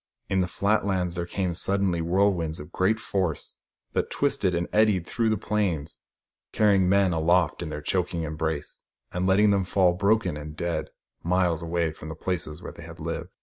In the flat lands there came suddenly whirlwinds of great force, that twisted and eddied through the plains, carrying men aloft in their choking embrace, and letting them fall, broken and dead, miles away from the places where they had lived.